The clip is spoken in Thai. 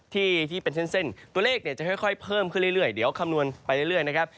ตัวเลขเนี่ยจะค่อยเผิ่มขึ้นเรื่อยเดี๋ยวคำนวนไปเรื่อยนะครับ